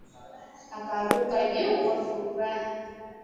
akaruka juu kwa furaha